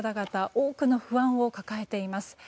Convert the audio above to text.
多くの不安を抱えています。